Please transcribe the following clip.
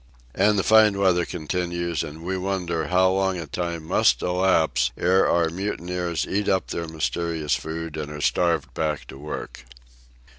And the fine weather continues, and we wonder how long a time must elapse ere our mutineers eat up their mysterious food and are starved back to work.